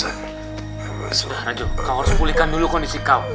sudah raju kau harus pulihkan dulu kondisi kau